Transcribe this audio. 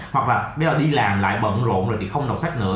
hoặc là bây giờ đi làm lại bận rộn rồi chị không đọc sách nữa